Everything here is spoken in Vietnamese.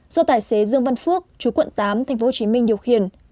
do tài xế dương văn phước chú quận tám tp hcm điều khiển